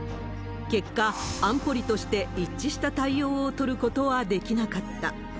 結果、安保理として一致した対応を取ることはできなかった。